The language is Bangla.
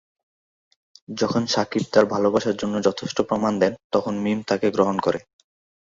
যখন শাকিব তার ভালবাসার জন্য যথেষ্ট প্রমাণ দেন, তখন মীম তাকে গ্রহণ করেন।